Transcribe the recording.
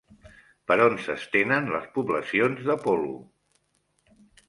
Per on s'estenen les poblacions d'apol·lo?